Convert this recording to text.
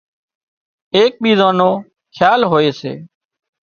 ايڪ ٻيزان نو کيال هوئي سي